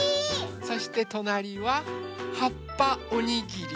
そしてとなりははっぱおにぎり。